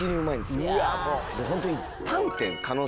ホントに。